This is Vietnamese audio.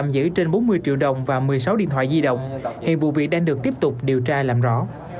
giữ trên bốn mươi triệu đồng và một mươi sáu điện thoại di động hiện vụ việc đang được tiếp tục điều tra làm rõ